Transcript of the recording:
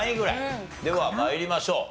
では参りましょう。